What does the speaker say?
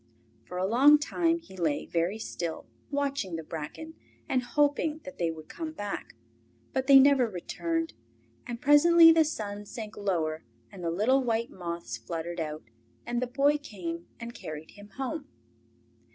For a long time he lay very still, watching the bracken, and hoping that they would come back. But they never returned, and presently the sun sank lower and the little white moths fluttered out, and the Boy came and carried him home.